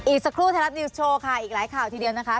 อีกสักครู่ไทยรัฐนิวส์โชว์ค่ะอีกหลายข่าวทีเดียวนะคะ